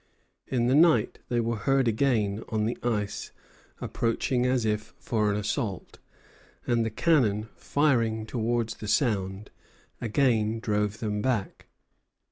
In the night they were heard again on the ice, approaching as if for an assault; and the cannon, firing towards the sound, again drove them back.